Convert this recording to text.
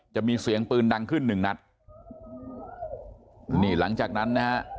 จะมีเสียงปืนดังขึ้นหนึ่งนัดนี่หลังจากนั้นนะฮะ